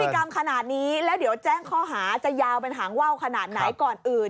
กรรมขนาดนี้แล้วเดี๋ยวแจ้งข้อหาจะยาวเป็นหางว่าวขนาดไหนก่อนอื่น